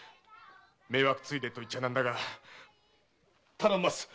迷惑ついでと言っちゃ何だが頼みます！